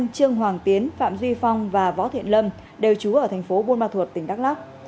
trương hoàng tiến phạm duy phong và võ thiện lâm đều trú ở thành phố buôn ma thuột tỉnh đắk lắc